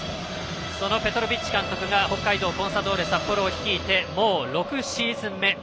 そのペトロヴィッチ監督が北海道コンサドーレ札幌を率いてもう６シーズン目。